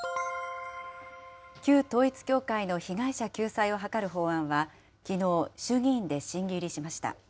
旧統一教会の被害者救済を図る法案は、きのう、衆議院で審議入りしました。